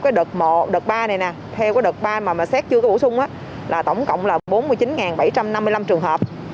cái đợt một đợt ba này nè theo cái đợt ba mà xét chưa có bổ sung là tổng cộng là bốn mươi chín bảy trăm năm mươi năm trường hợp